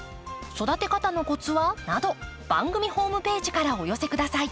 「育て方のコツは？」など番組ホームページからお寄せ下さい。